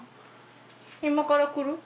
今から来る？